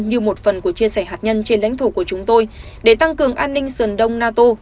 như một phần của chia sẻ hạt nhân trên lãnh thổ của chúng tôi để tăng cường an ninh sườn đông nato